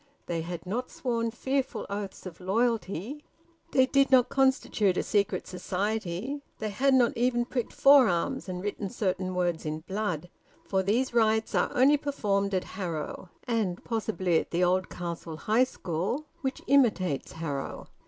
They had not sworn fearful oaths of loyalty; they did not constitute a secret society; they had not even pricked forearms and written certain words in blood; for these rites are only performed at Harrow, and possibly at the Oldcastle High School, which imitates Harrow.